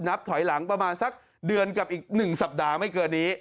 นับถอยหลังประมาณสักเดือนกับอีก๑สัปดาห์ไม่เกินนี้